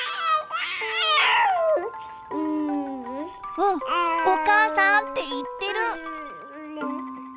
うん「おかあさーん」って言ってる！